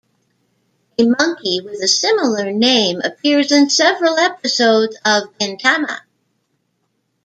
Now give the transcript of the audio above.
A monkey with a similar name appears in several episodes of "Gintama'".